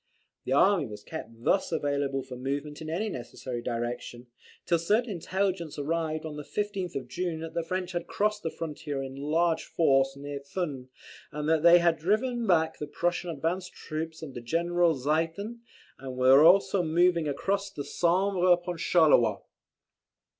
The army was kept thus available for movement in any necessary direction, till certain intelligence arrived on the 15th of June that the French had crossed the frontier in large force near Thuin, that they had driven back the Prussian advanced troops under General Ziethen, and were also moving across the Sambre upon Charleroi.